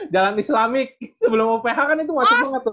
jalan islamik sebelum uph kan itu macet banget tuh